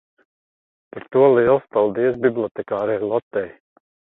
par to liels paldies bibliotekārei Lotei